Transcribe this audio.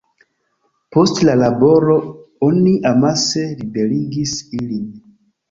Post la laboro oni amase liberigis ilin.